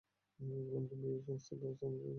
গোলাম কিবরিয়া এই সংস্থার ব্যবস্থাপনা পরিচালক।